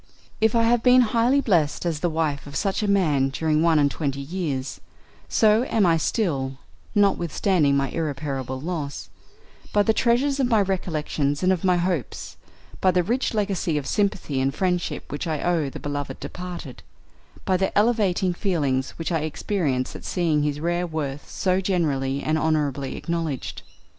If I have been highly blessed as the wife of such a man during one and twenty years, so am I still, notwithstanding my irreparable loss, by the treasure of my recollections and of my hopes, by the rich legacy of sympathy and friendship which I owe the beloved departed, by the elevating feeling which I experience at seeing his rare worth so generally and honourably acknowledged.